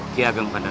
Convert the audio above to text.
ki ageng pandana